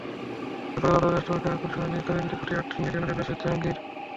গতকাল আদালতে রাষ্ট্রপক্ষে আপিল শুনানি করেন deputy attorney general Rashed Jahangir.